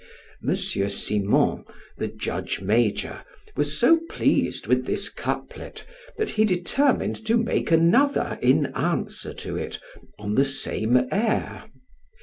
Monsieur Simon (the judge major) was so pleased with this couplet, that he determined to make another in answer to it, on the same air.